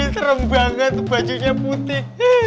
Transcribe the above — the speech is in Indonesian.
serem banget bajunya putih